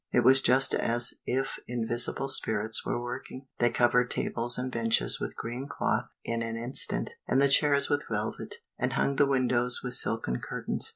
It was just as if invisible spirits were working; they covered tables and benches with green cloth in an instant, and the chairs with velvet, and hung the windows with silken curtains.